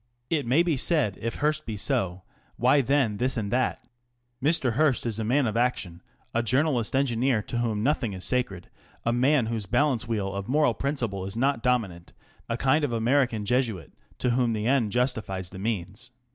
It may be said if Mr. Hearst be so, why then this and that ? Mr. Hearst is a man of action, a journalist engineer to whom nothing is sacred, a man whose balance wheel of moral principle is not dominant, a kind of American Jesuit to whom the end justifies the means.